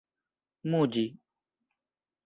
muĝi